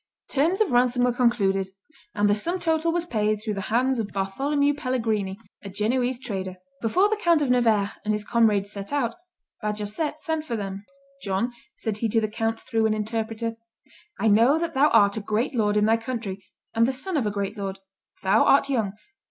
Terms of ransom were concluded; and the sum total was paid through the hands of Bartholomew Pellegrini, a Genoese trader. Before the Count of Nevers and his comrades set out, Bajazet sent for them. "John," said he to the count through an interpreter, "I know that thou art a great lord in thy country, and the son of a great lord. Thou art young.